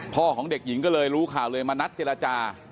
ของเด็กหญิงก็เลยรู้ข่าวเลยมานัดเจรจา